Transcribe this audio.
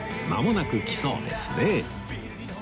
まもなく来そうですね